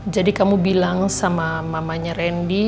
jadi kamu bilang sama mamanya randy